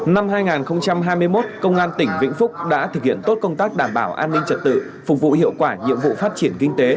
năm hai nghìn hai mươi một công an tỉnh vĩnh phúc đã thực hiện tốt công tác đảm bảo an ninh trật tự phục vụ hiệu quả nhiệm vụ phát triển kinh tế